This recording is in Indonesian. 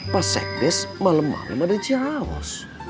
pak sekdes malem malem ada ciraus